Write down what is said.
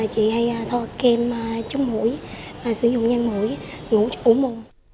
chị hay thoa kem chống mũi sử dụng nhan mũi ngủ ủ mồm